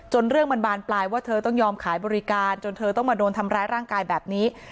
เรื่องมันบานปลายว่าเธอต้องยอมขายบริการจนเธอต้องมาโดนทำร้ายร่างกายแบบนี้